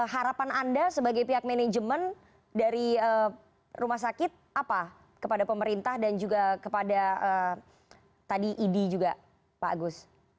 harapan anda sebagai pihak manajemen dari rumah sakit apa kepada pemerintah dan juga kepada tadi idi juga pak agus